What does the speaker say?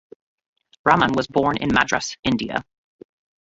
Rahman was born in Madras, India.